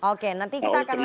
oke nanti kita akan lihat